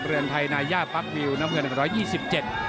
เรือนไทยนาย่าปั๊กวิวน้ำเงินหนึ่งร้อยยี่สิบเจ็ด